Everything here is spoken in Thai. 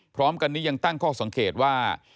พร้อมกันนี้ยังตั้งข้อสังเกตว่า